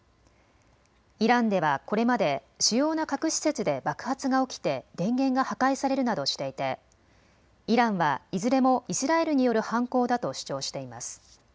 イランではこれまで主要な核施設で爆発が起きて電源が破壊されるなどしていてイランはいずれもイスラエルによる犯行だと主張しています。